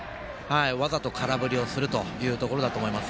わざと空振りをするというところだと思います。